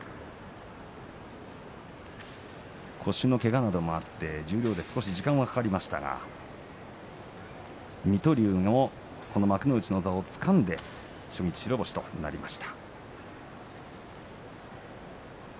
腰のけがなどもあって十両で少し時間がかかりましたが水戸龍もこの幕内の座をつかんで初日白星です。